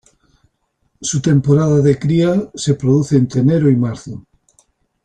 Su temporada de cría se produce entre enero y marzo.